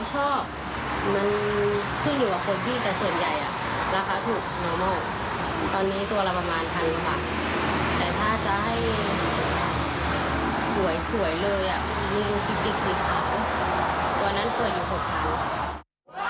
ตัวนั้นเกิดอยู่๖ขาว